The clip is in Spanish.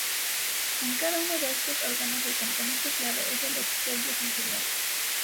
En cada uno de estos órganos el componente clave es el epitelio sensorial.